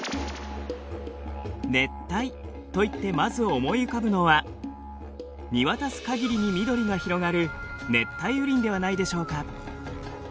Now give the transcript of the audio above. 熱帯といってまず思い浮かぶのは見渡す限りに緑が広がる熱帯雨林ではないでしょうか。